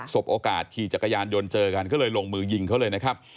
บโอกาสขี่จักรยานยนต์เจอกันก็เลยลงมือยิงเขาเลยนะครับ